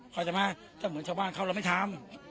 พอจะมาเจ้ามือชาวบ้านเข้าเราไม่ทำ